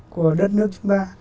của đất nước chúng ta